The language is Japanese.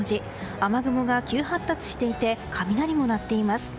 雨雲が急発達していて雷も鳴っています。